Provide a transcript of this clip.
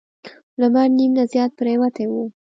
لمر نیم نه زیات پریوتی و.